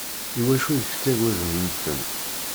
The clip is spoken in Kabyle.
Iwacu i k-ttagaden medden?